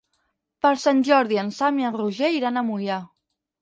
Per Sant Jordi en Sam i en Roger iran a Moià.